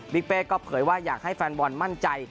เป้ก็เผยว่าอยากให้แฟนบอลมั่นใจ